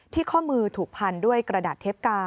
ข้อมือถูกพันด้วยกระดาษเทปกา